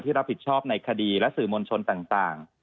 รับผิดชอบในคดีและสื่อมวลชนต่าง